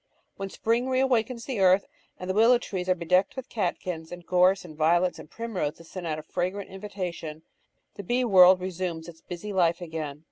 When spring reawakens the earth and the willow trees are be decked with catkins, and gorse and violets and primroses send out a fragrant invitation, the bee world resumes its busy life again.